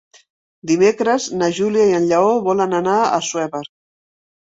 Dimecres na Júlia i en Lleó volen anar a Assuévar.